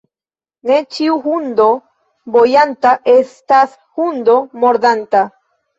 Ne ĉiu hundo bojanta estas hundo mordanta.